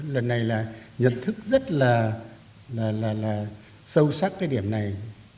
lần này là nhận thức rất là sâu sắc cái điểm này